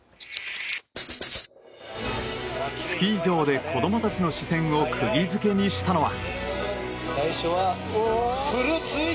スキー場で子供たちの視線を釘付けにしたのは。